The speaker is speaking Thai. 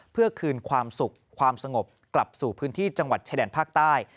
เพื่อคืนความสุขความสงบกลับสู่พื้นที่จังหวัดชายแดนภาคใต้